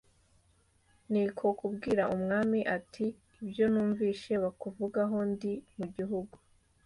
Ni ko kubwira umwami ati ibyo numvise bakuvugaho ndi mu gihugu